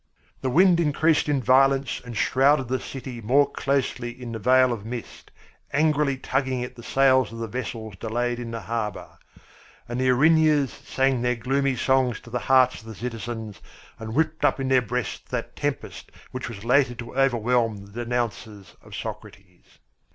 The wind increased in violence and shrouded the city more closely in the veil of mist, angrily tugging at the sails of the vessels delayed in the harbour. And the Erinyes sang their gloomy songs to the hearts of the citizens and whipped up in their breasts that tempest which was later, to overwhelm the denouncers of Socrates.